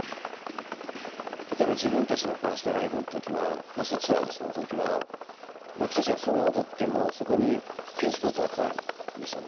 例えば自分たちのファーストライブの時はファーストツアーですねの時は僕たちがソロを踊ってもそこにピンスポットが来ないんですよね。